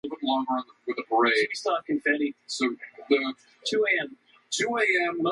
It was initially written to be used on a smart tv